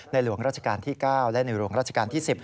หลวงราชการที่๙และในหลวงราชการที่๑๐